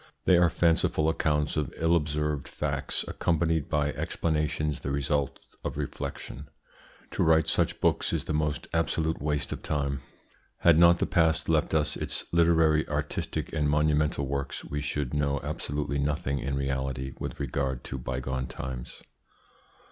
They are fanciful accounts of ill observed facts, accompanied by explanations the result of reflection. To write such books is the most absolute waste of time. Had not the past left us its literary, artistic, and monumental works, we should know absolutely nothing in reality with regard to bygone times.